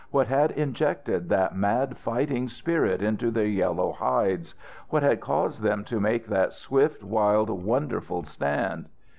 What had injected that mad fighting spirit into their yellow hides? What had caused them to make that swift, wild, wonderful stand?